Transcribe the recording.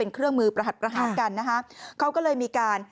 เครื่องมือประหัสประหารกันนะคะเขาก็เลยมีการ